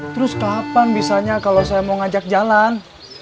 terus kapan bisanya kalau saya mau ngajak jalan